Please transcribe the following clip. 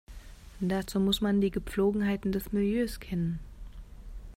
Dazu muss man die Gepflogenheiten des Milieus kennen.